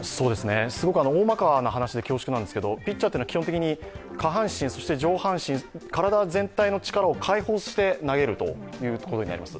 すごく大まかな話で恐縮なんですけども、基本的に下半身、そして上半身、体全体の力を解放して投げるというところにあります。